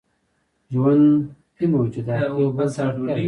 ژوندي موجودات یو بل ته اړتیا لري